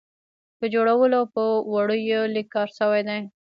په جوړولو او په وړیو یې لږ کار شوی دی.